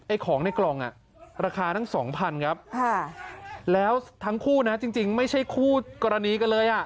ของในกล่องอ่ะราคาทั้งสองพันครับแล้วทั้งคู่นะจริงไม่ใช่คู่กรณีกันเลยอ่ะ